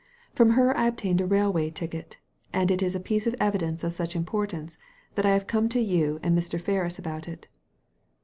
From her I obtained a railway ticket, and it is a piece of evidence of such importance that I have come to you and Mr. Ferris about it."